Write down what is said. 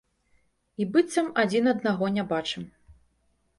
І быццам адзін аднаго не бачым.